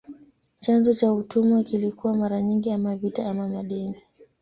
Chanzo cha utumwa kilikuwa mara nyingi ama vita ama madeni.